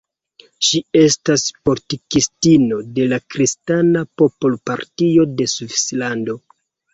Ŝi estas politikistino de la Kristana popol-partio de Svislando.